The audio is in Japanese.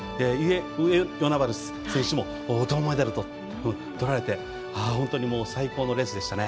上与那原選手も銅メダルととられて本当に最高のレースでしたね。